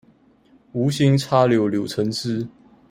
無心插柳柳橙汁